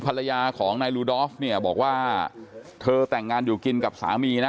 ภรรยาของนายลูดอฟเนี่ยบอกว่าเธอแต่งงานอยู่กินกับสามีนะ